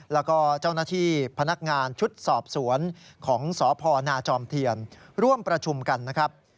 แล้วก็เจ้าหน้าที่พนักงานชุดสอบสวนของสพนาจอมเทียนร่วมประชุมกันนะครับ